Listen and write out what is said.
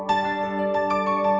aku mau ke rumah